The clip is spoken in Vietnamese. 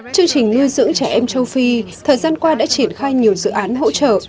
chương trình nuôi dưỡng trẻ em châu phi thời gian qua đã triển khai nhiều dự án hỗ trợ